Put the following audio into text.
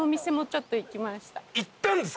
ちょっと行きました。